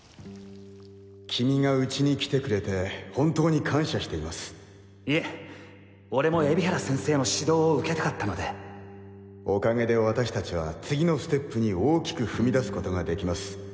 君がうちに来てくれて本当いえ俺も海老原先生の指導を受けたかお陰で私達は次のステップに大きく踏み出すことができます